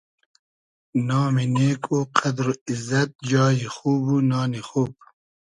نامی نېگ و قئدر و ایززئد جای خوب و نانی خوب